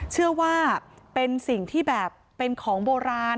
เชื่อว่าเป็นสิ่งที่แบบเป็นของโบราณ